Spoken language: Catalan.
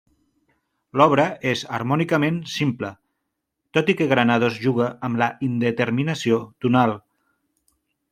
L'obra és harmònicament simple, tot i que Granados juga amb la indeterminació tonal.